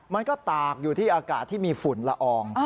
มันก็ตากอยู่ที่อากาศที่มีฝุ่นละออง